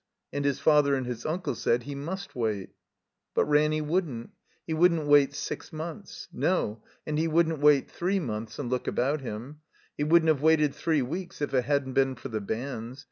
And his father and his unde said he must wait. But Ranny wouldn't. He wouldn't wait six months. No, and he wouldn't wait three months and look about him. He wouldn't have waited three weeks if it hadn't been for the banns.